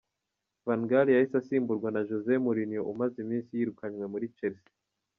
Van Gaal yahise asimburwa na Jose Mourinho umaze iminsi yirukanywe muri Chelsea.